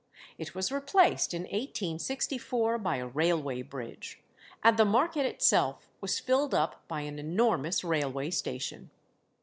It was replaced in 1864 by a railway bridge, and the market itself was filled up by an enormous railway station.